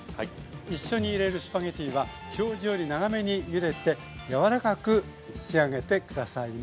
一緒に入れるスパゲッティは表示より長めにゆでて柔らかく仕上げて下さいね。